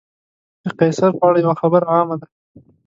د قیصر په اړه یوه خبره عامه ده.